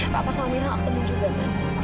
papa sama amira aku temuin juga man